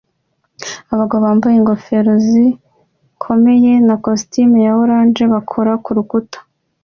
Abagabo bambaye ingofero zikomeye na kositimu ya orange bakora kurukuta